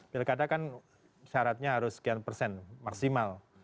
pilkada kan syaratnya harus sekian persen maksimal